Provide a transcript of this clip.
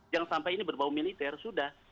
jangan sampai ini berbau militer sudah